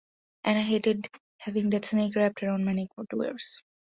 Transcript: And I hated having that snake wrapped around my neck for two hours...